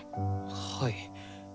はい。